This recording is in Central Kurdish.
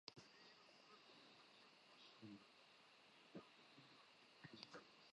وەرە ئەی گوڵبنی تێراوم ئەمشەو